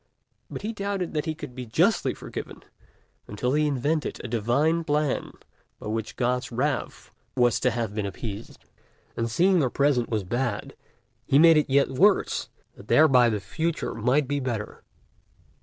But he doubted whether he could be justly forgiven, until he invented a divine Plan by which God's wrath was to have been appeased. And seeing the present was bad, he made it yet worse, that thereby the future might be better.